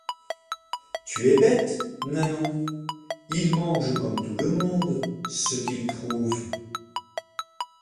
Tu es bête, Nanon! ils mangent, comme tout le monde, ce qu’ils trouvent.